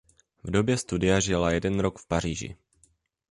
V době studia žila jeden rok v Paříži.